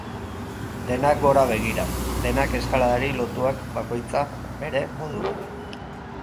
Denak gora begira, denak eskaladari lotuak bakoitza bere modura.